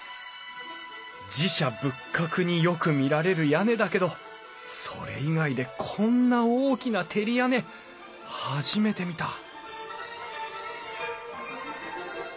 寺社仏閣によく見られる屋根だけどそれ以外でこんな大きな照り屋根初めて見た！